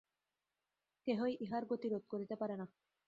কেহই ইহার গতি রোধ করিতে পারে না।